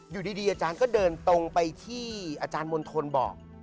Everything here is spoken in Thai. อยู่ดีอาจารย์ก็เดินตรงไปที่อาจารย์มณฑลบอก